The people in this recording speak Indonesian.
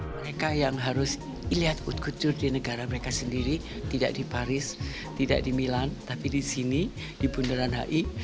mereka yang harus dilihat utkutu di negara mereka sendiri tidak di paris tidak di milan tapi di sini di bundaran hi